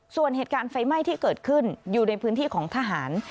ส่วนเหตุการณ์ไฟไหม้ที่เกิดขึ้นอยู่ในพื้นที่ของทหาร